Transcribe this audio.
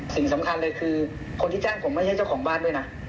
สิ่งสำคัญเลยคือคนที่แจ้งผมไม่ใช่เจ้าของบ้านด้วยนะ